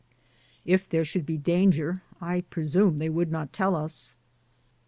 If there should be danger, I presume they would not tell us.